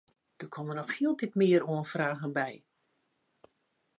Der komme noch hieltyd mear oanfragen by.